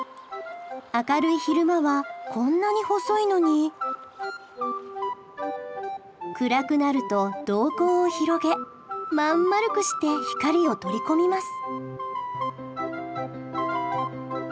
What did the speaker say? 明るい昼間はこんなに細いのに暗くなると瞳孔を広げ真ん丸くして光を取り込みます。